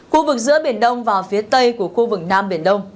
khu vực giữa biển đông và phía tây của khu vực nam biển đông